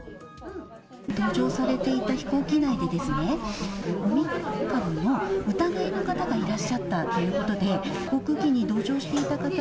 搭乗されていた飛行機内で、オミクロン株の疑いの方がいらっしゃったということで、航空機に同乗していた方